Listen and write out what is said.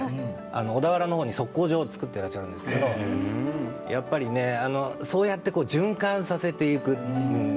小田原のほうに測候所を作っていらっしゃるんですけどそうやって循環させていく。